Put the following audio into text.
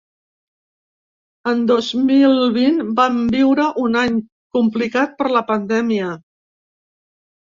En dos mil vint vam viure un any complicat per la pandèmia.